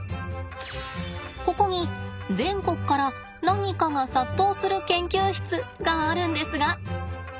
ここに全国から何かが殺到する研究室があるんですが。